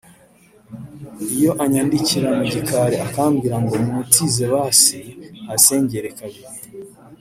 iyo anyandikira mu gikari akambwira ngo mumutize basi ahasengere kabiri